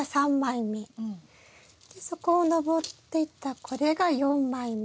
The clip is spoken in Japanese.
そこを上っていったこれが４枚目。